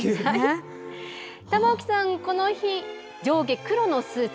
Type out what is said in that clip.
玉置さん、この日、上下黒のスーツ。